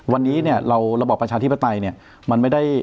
วันนี้เนี่ยระบบประชาธิปไตยเนี่ย